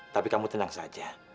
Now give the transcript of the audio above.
tapi kamu tenang saja